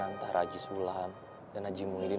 antara haji sulam dan haji mungilin